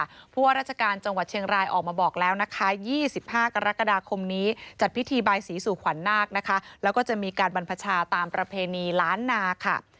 เพราะว่าราชการจังหวัดเชียงรายออกมาบอกแล้วนะคะ๒๕กรกฎาคมนี้จัดพิธีบายศรีสู่ขวัญนาคนะคะแล้วก็จะมีการบรรพชาตามประเพณีล้านนาค่ะ